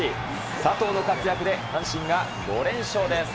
佐藤の活躍で、阪神が５連勝です。